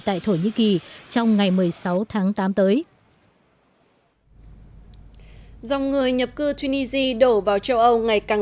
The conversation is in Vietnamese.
tại thổ nhĩ kỳ trong ngày một mươi sáu tháng tám tới dòng người nhập cư tunisia đổ vào châu âu ngày càng